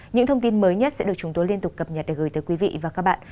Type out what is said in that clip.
những thông tin mới nhất sẽ được chúng tôi liên tục cập nhật để gửi tới quý vị và các bạn